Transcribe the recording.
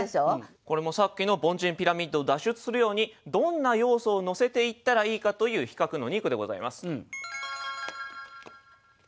これもさっきの凡人ピラミッドを脱出するようにどんな要素を乗せていったらいいかという比較の２句でございます。